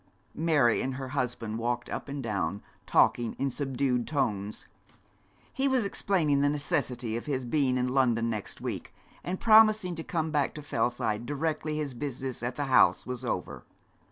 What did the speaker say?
Mary and her husband walked up and down, talking in subdued tones. He was explaining the necessity of his being in London next week, and promising to come back to Fellside directly his business at the House was over.